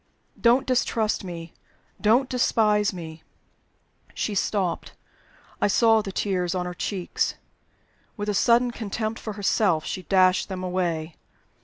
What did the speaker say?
Don't distrust me! Don't despise me!" She stopped; I saw the tears on her cheeks. With a sudden contempt for herself, she dashed them away.